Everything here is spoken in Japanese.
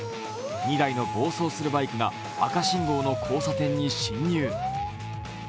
２台の暴走するバイクが赤信号の交差点に進入。